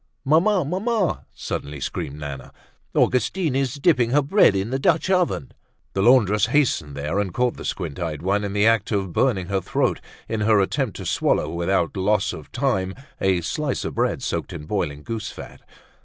"Mamma! Mamma!" suddenly screamed Nana, "Augustine is dipping her bread in the Dutch oven!" The laundress hastened there and caught the squint eyed one in the act of burning her throat in her attempts to swallow without loss of time a slice of bread soaked in boiling goose fat.